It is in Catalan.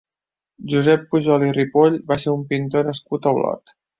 Josep Pujol i Ripoll va ser un pintor nascut a Olot.